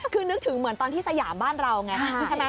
คือนึกถึงเหมือนตอนที่สยามบ้านเราไงใช่ไหม